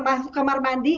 masuk ke kamar mandi